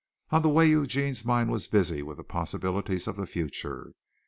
On the way Eugene's mind was busy with the possibilities of the future.